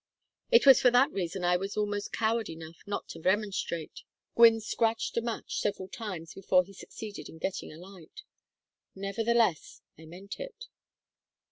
"It was for that reason I was almost coward enough not to remonstrate." Gwynne scratched a match several times before he succeeded in getting a light. "Nevertheless, I meant it."